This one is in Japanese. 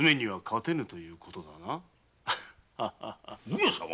上様。